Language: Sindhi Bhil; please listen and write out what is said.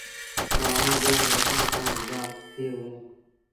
تا آئوٚݩ ٻيآݩ دوستآݩ کآݩ جدآ ٿئي وُهڙو ۔